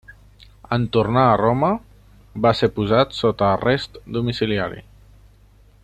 En tornar a Roma, va ser posat sota arrest domiciliari.